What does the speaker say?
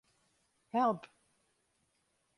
Help.